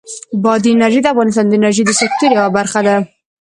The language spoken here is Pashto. بادي انرژي د افغانستان د انرژۍ د سکتور یوه برخه ده.